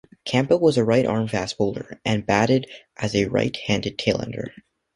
Campbell was a right arm fast bowler, and batted as a right-handed tail ender.